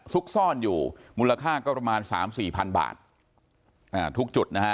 ซุกซ่อนอยู่มูลค่าก็ประมาณ๓๔พันบาททุกจุดนะฮะ